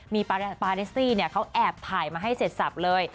มีปาเดสซี่เขาแอบถ่ายมาให้เสร็จสับเลย